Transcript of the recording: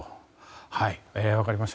分かりました。